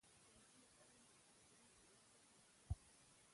د نجونو تعلیم د سایبري جرمونو مخه نیسي.